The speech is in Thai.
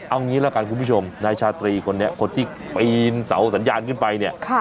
เอางี้ละกันคุณผู้ชมนายชาตรีคนนี้คนที่ปีนเสาสัญญาณขึ้นไปเนี่ย